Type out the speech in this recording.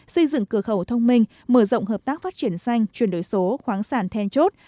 xây dựng cửa khẩu thông minh mở rộng hợp tác phát triển xanh chuyển đổi số khoáng sản then chốt